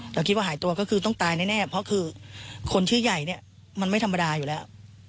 เราคิดว่าหายตัวก็คือต้องตายแน่เพราะคือคนชื่อใหญ่เนี่ยมันไม่ธรรมดาอยู่แล้ว